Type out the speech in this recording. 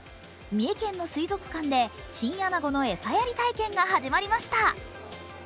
三重県の水族館でチンアナゴの餌やり体験が始まりました。